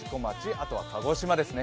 あとは鹿児島ですね。